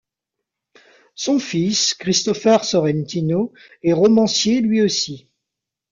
Son fils, Christopher Sorrentino, est romancier lui-aussi.